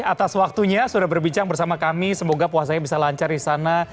terima kasih laura moulina sudah berbicara bersama kami semoga puasanya bisa lancar di sana